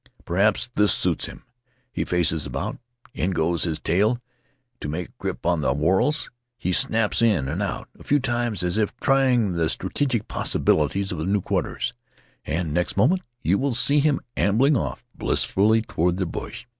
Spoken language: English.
Perhaps this suits him. He faces about, in goes his tail to take a grip on the whorls, he snaps in and out a few times as if trying the strategic possibilities of the new quarters, and next moment you will see him ambling off blissfully toward the bush.